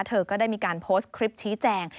เธอก็ได้มีการโพสต์คลิปชี้แจง